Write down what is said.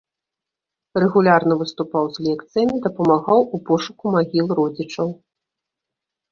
Рэгулярна выступаў з лекцыямі, дапамагаў у пошуку магіл родзічаў.